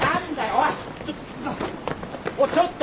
おいちょっと！